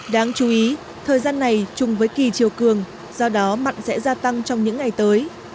đáng chú ý thời gian này chung với kỳ chiều cường do đó mặn sẽ gia tăng trong những ngày tới